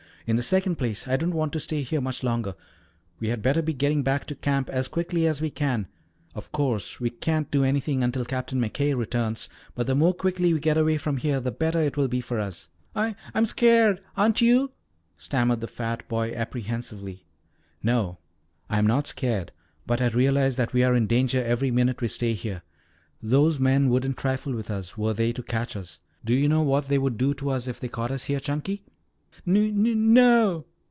In the second place I don't want to stay here much longer. We had better be getting back to camp as quickly as we can. Of course we can't do anything until Captain McKay returns, but the more quickly we get away from here the better it will be for us." "I I'm scared. Aren't you?" stammered the fat boy apprehensively. "No, I am not scared, but I realize that we are in danger every minute we stay here. Those men wouldn't trifle with us, were they to catch us. Do you know what they would do to us if they caught us here, Chunky?" "Nu nu no."